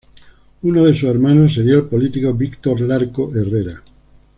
Uno de sus hermanos sería el político Víctor Larco Herrera.